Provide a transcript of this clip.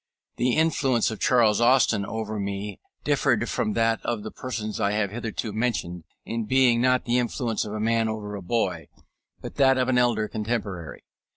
The influence of Charles Austin over me differed from that of the persons I have hitherto mentioned, in being not the influence of a man over a boy, but that of an elder contemporary.